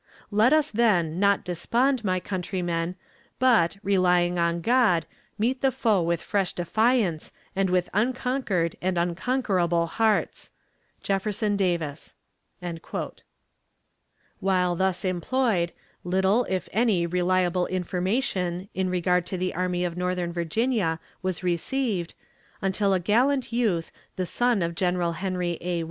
"Let us, then, not despond, my countrymen, but, relying on God, meet the foe with fresh defiance and with unconquered and unconquerable hearts. "JEFFERSON DAVIS." While thus employed, little if any reliable information in regard to the Army of Northern Virginia was received, until a gallant youth, the son of General Henry A.